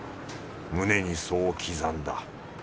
胸にそう刻んだ。